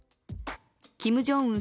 キム・ジョンウン